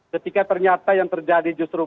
ketika ternyata yang terjadi justru